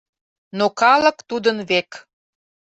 Но калык тудын век...